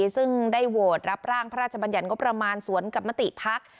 ซึ่งได้โหวตรับร่างพระราชบัญญัติงบประมาณสวนกับมติภักดิ์